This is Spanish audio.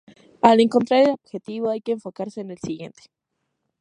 Al encontrar el objeto hay que enfocarse en el siguiente.